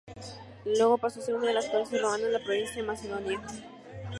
Luego paso a ser una de las provincias romanas, la provincia de Macedonia.